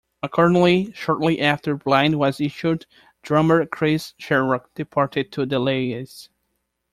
Accordingly, shortly after "Blind" was issued, drummer Chris Sharrock departed to The La's.